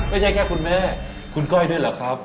ไม่ใช่แค่คุณแม่คุณก้อยด้วยเหรอครับ